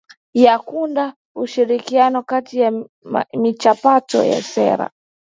ya kuunda ushirikiano kati ya michakato ya sera